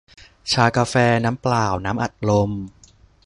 ชากาแฟ น้ำเปล่า น้ำอัดลม